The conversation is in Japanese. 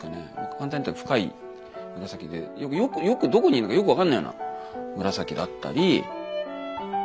簡単に言ったら深い紫でよくどこにいるのかよく分かんないような紫だったり。